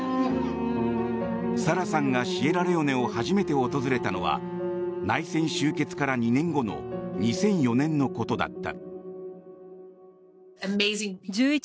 サラさんがシエラレオネを初めて訪れたのは内戦終結から２年後の２００４年のことだった。